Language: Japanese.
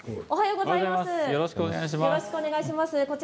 おはようございます。